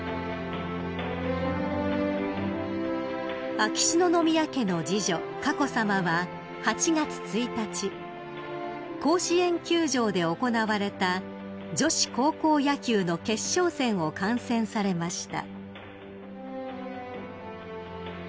［秋篠宮家の次女佳子さまは８月１日甲子園球場で行われた女子高校野球の決勝戦を観戦されました］